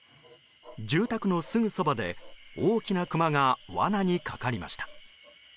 住宅のすぐそばで、大きなクマが罠にかかりました。